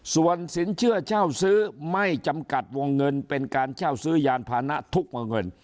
ส่วนสินเชื่อเช่าซื้อไม่จำกัดวงเงินเป็นการเช่าซื้อยานพานะทุกวงเงิน